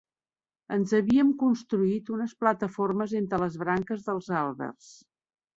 Ens havíem construït unes plataformes entre les branques dels àlbers